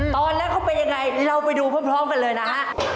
ตอนแรกเขาเป็นอย่างไรเราไปดูพร่อมกันเลยนะ